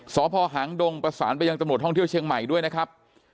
สพหางดงประสานไปยังตำรวจท่องเที่ยวเชียงใหม่ด้วยนะครับ